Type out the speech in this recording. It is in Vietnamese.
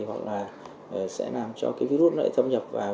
hoặc là sẽ làm cho virus thâm nhập vào